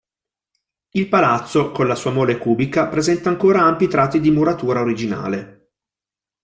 Il palazzo, con la sua mole cubica, presenta ancora ampi tratti di muratura originale.